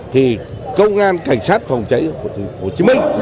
thì công an cảnh sát phòng chữa chữa chữa chữa của thành phố hồ chí minh